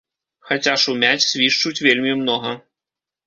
Хаця шумяць, свішчуць вельмі многа.